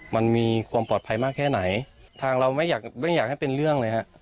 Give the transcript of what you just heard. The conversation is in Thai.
มันมีความปลอดภัยมากแค่ไหนทางเราไม่อยากไม่อยากให้เป็นเรื่องเลยฮะ